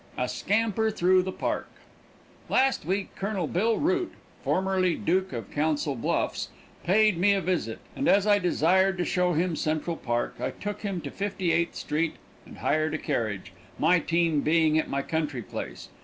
A SCAMPER THROUGH THE PARK XIX Last week Colonel Bill Root, formerly Duke of Council Bluffs, paid me a visit, and as I desired to show him Central Park, I took him to Fifty Eighth street and hired a carriage, my own team being at my country place.